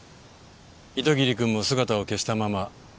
糸切くんも姿を消したまま。